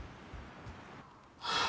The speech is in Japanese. はあ。